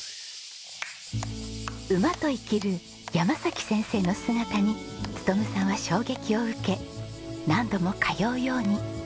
馬と生きる山崎先生の姿に勉さんは衝撃を受け何度も通うように。